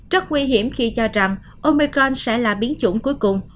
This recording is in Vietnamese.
rất nguy hiểm khi cho rằng omecron sẽ là biến chủng cuối cùng